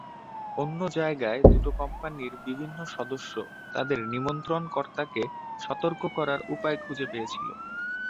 অন্য জায়গায়, দুটো কোম্পানির বিভিন্ন সদস্য তাদের নিমন্ত্রণকর্তাকে সতর্ক করার উপায় খুঁজে পেয়েছিল।